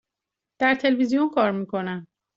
در تلویزیون کار می کنم.